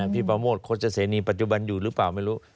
พี่ประโมทโฆษณีปัจจุบันอยู่หรือเปล่าไม่รู้